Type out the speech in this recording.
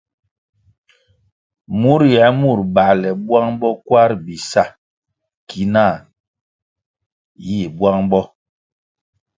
Mur yie mur bale bwang bo kwar bi sa ki na yih bwang bo.